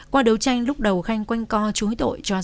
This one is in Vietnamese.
qua đấu tranh lúc đầu khanh quanh co chú ý tội cho rằng